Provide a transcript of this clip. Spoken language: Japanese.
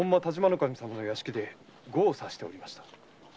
守様の屋敷で碁を指しておりました。